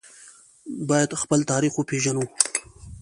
باید خپل تاریخ وپیژنو